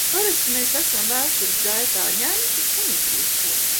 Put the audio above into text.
Parasti mēs esam vēstures gaitā ņemti un izrīkoti.